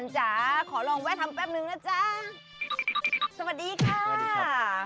สุงเต้นอ่ะ